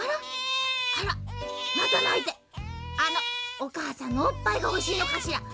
おかあさんのおっぱいがほしいのかしら？